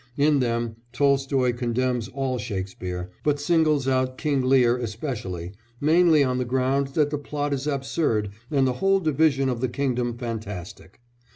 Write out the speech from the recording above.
In them Tolstoy condemns all Shakespeare, but singles out King Lear especially, mainly on the ground that the plot is absurd and the whole division of the kingdom fantastic.